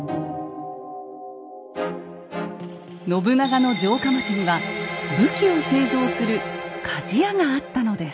信長の城下町には武器を製造する鍛冶屋があったのです。